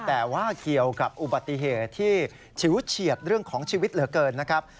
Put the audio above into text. แต่ว่าเกี่ยวกับอุบัติเหตุที่ฉิวเฉียดเรื่องของชีวิตเหลือเกินนะครับ